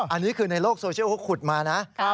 อันนี้คือในโลกโซเชียลเขาขุดมานะ